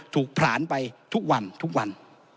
ผลาญไปทุกวันทุกวัน